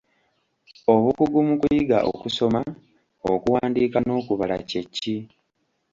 Obukugu mu kuyiga okusoma, okuwandiika n'okubala kye ki?